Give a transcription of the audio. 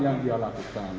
yang dia lakukan